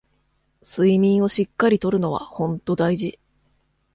睡眠をしっかり取るのはほんと大事